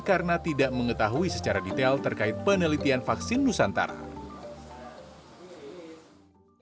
karena tidak mengetahui secara detail terkait penelitian vaksin nusantara